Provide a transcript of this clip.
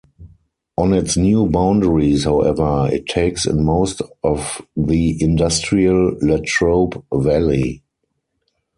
On its new boundaries, however, it takes in most of the industrial Latrobe Valley.